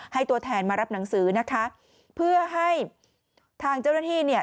ตัวแทนมารับหนังสือนะคะเพื่อให้ทางเจ้าหน้าที่เนี่ย